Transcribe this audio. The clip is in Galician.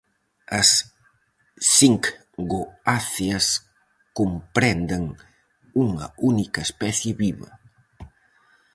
As xinkgoáceas comprenden unha única especie viva.